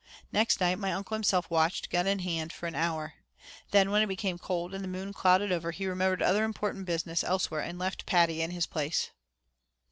Next night my uncle himself watched, gun in hand, for an hour. Then when it became cold and the moon clouded over he remembered other important business elsewhere, and left Paddy in his place.